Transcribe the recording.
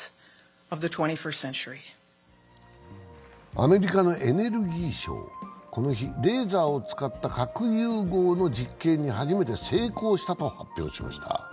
アメリカのエネルギー省、この日、レーザーを使った核融合の実験に初めて成功したと発表しました。